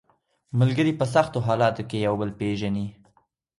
ملګري په سختو حالاتو کې یو بل پېژني